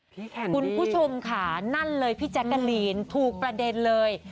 คุณผู้ชมค่ะนั่นเลยพี่แจ๊กกะลีนถูกประเด็นเลย